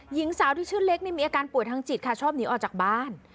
หญิงสาวที่ชื่อเล็กมีอาการป่วยทางจิตค่ะชอบหนีออกจากบ้าน